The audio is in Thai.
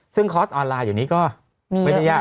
ซึ่งคอร์สออนไลน์อยู่นี้ก็ไม่ได้ยาก